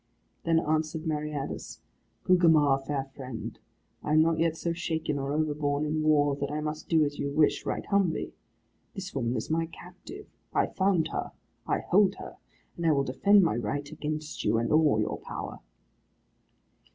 Then answered Meriadus, "Gugemar, fair friend, I am not yet so shaken or overborne in war, that I must do as you wish, right humbly. This woman is my captive. I found her: I hold her: and I will defend my right against you and all your power."